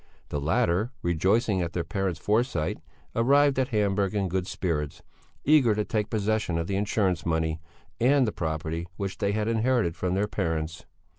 The latter, rejoicing at their parents' foresight, arrived at Hamburg in good spirits, eager to take possession of the insurance money and the property which they had inherited from their parents.